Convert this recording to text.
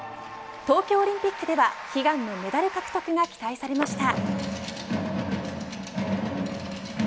東京オリンピックでは悲願のメダル獲得が期待されました。